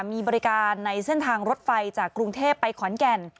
มีบริการในเส้นทางรถไฟจากกรุงเทพไปขอนแก่น